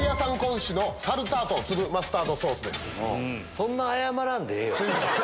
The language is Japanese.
そんな謝らんでええよ。